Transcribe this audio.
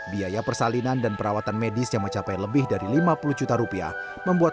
biaya persalinan dan perawatan medis yang mencapai lebih dari lima puluh juta rupiah membuat